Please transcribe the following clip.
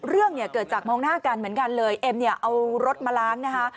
เรื่องเนี่ยเกิดจากมองหน้ากันเหมือนกันเลยเอ็มเนี่ยเอารถมาล้างนะคะ